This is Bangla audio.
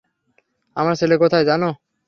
আমার ছেলে কোথায় জানো?